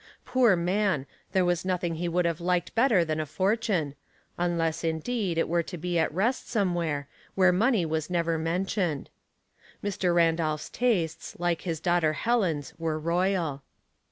Poor man, there was nothing he would have liked better than a fortune — unless, indeed, it were to be at rest somewhere, where money was never mentioned. Mr. Randolph's tastes, like his daughter Helen's, were royal."